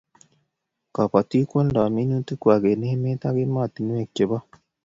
Kabatik ko aldoi minutik kwai eng' emet ak ematinwek che bo